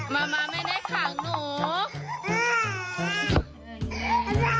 แมมม้าไม่ได้ขังหนู